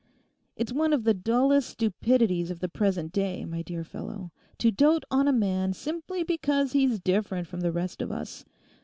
It's one of the dullest stupidities of the present day, my dear fellow, to dote on a man simply because he's different from the rest of us.